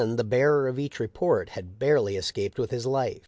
the bearer of each report had barely escaped with his life.